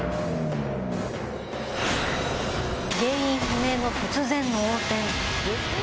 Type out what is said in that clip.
原因不明の突然の横転。